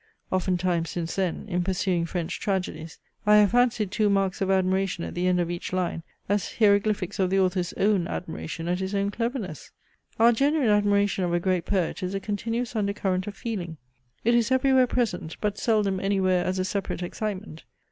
Oftentimes since then, in pursuing French tragedies, I have fancied two marks of admiration at the end of each line, as hieroglyphics of the author's own admiration at his own cleverness. Our genuine admiration of a great poet is a continuous undercurrent of feeling! it is everywhere present, but seldom anywhere as a separate excitement.